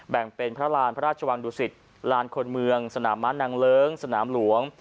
แบ่งเป็นพระราณพระราชวังดุสิตลานคนเมืองสนามม้านางเลิ้งสนามหลวง